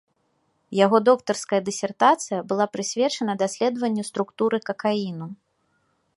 Яго доктарская дысертацыя была прысвечана даследаванню структуры какаіну.